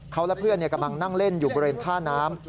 เขาและเพื่อนกำลังนั่งเล่นอยู่บริเวณท่าน้ำ